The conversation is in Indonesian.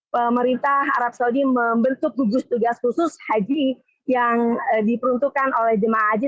pemerintah arab saudi membentuk gugus tugas khusus haji yang diperuntukkan oleh jemaah haji